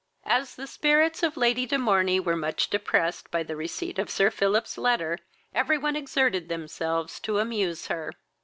As the spirits of Lady de Morney were much depressed by the receipt of Sir Philip's letter, every one exerted themselves to amuse her.